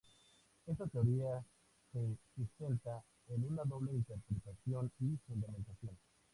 Esta teoría se sustenta en una doble interpretación y fundamentación.